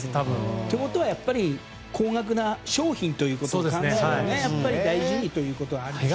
ということは高額な商品ということを考えると大事にということはあるでしょうね。